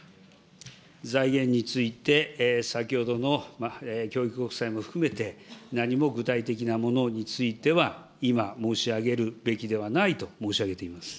財源について、先ほどの教育国債も含めて、何も具体的なものについては今、申し上げるべきではないと申し上げています。